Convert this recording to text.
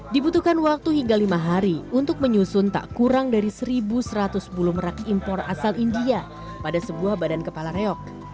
dibutuhkan waktu hingga lima hari untuk menyusun tak kurang dari satu satu ratus sepuluh rak impor asal india pada sebuah badan kepala reok